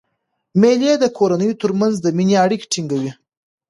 مېلې د کورنیو تر منځ د میني اړیکي ټینګي.